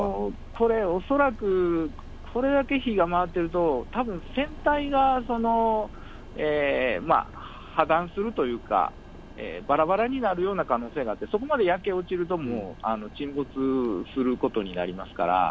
これ、恐らく、これだけ火が回ってると、たぶん、船体が破断するというか、ばらばらになるような可能性があって、そこまで焼け落ちると、もう沈没することになりますから。